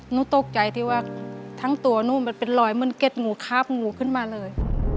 หนูตกใจที่ว่าทั้งตัวหนูมันเป็นรอยเหมือนเก็ดงูคาบงูขึ้นมาเลย